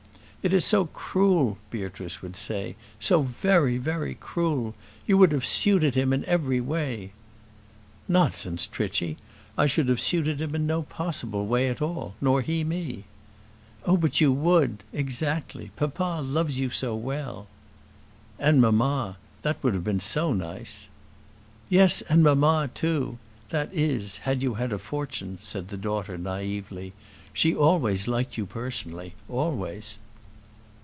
"It is so cruel," Beatrice would say; "so very, very, cruel. You would have suited him in every way." "Nonsense, Trichy; I should have suited him in no possible way at all; nor he me." "Oh, but you would exactly. Papa loves you so well." "And mamma; that would have been so nice." "Yes; and mamma, too that is, had you had a fortune," said the daughter, naïvely. "She always liked you personally, always."